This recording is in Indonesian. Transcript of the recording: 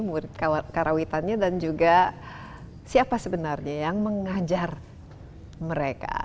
murid karawitannya dan juga siapa sebenarnya yang mengajar mereka